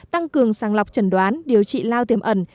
tăng cường sàng lọc trần đoán điều trị lao tiềm ẩn